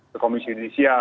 ke komisi judisial